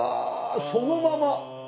そのまま！